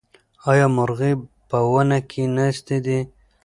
ایا مرغۍ په ونې کې ناستې دي؟